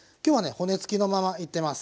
骨付きのままいってます。